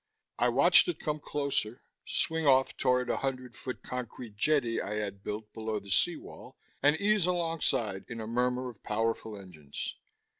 I watched it come closer, swing off toward the hundred foot concrete jetty I had built below the sea wall, and ease alongside in a murmur of powerful engines.